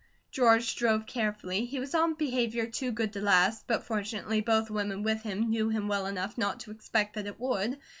George drove carefully. He was on behaviour too good to last, but fortunately both women with him knew him well enough not to expect that it would.